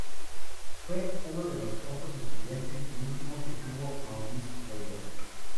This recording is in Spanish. Fue uno de los pocos estudiantes y el último que tuvo Maurice Ravel.